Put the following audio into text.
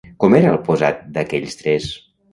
Com era el posat d'aquells tres?